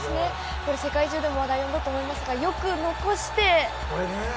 これ、世界中で話題を呼んだと思いますがよく残して。